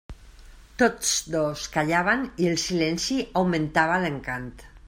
Tots dos callaven, i el silenci augmentava l'encant.